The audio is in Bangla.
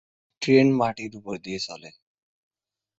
ট্রেন মাটির উপর দিয়ে চলে।